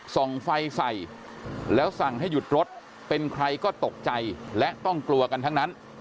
ส่องไฟใส่แล้วสั่งให้หยุดรถเป็นใครก็ตกใจและต้องกลัวกันทั้งนั้น